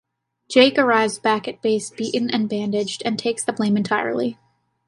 Jake arrives back at base beaten and bandaged, and takes the blame entirely.